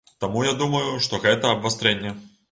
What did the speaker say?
Таму я думаю, што гэта абвастрэнне.